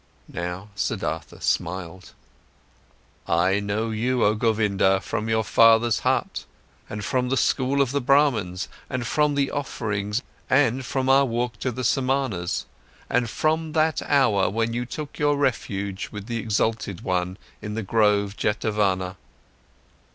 Now, Siddhartha smiled. "I know you, oh Govinda, from your father's hut, and from the school of the Brahmans, and from the offerings, and from our walk to the Samanas, and from that hour when you took your refuge with the exalted one in the grove Jetavana."